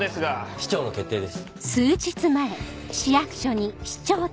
市長の決定です。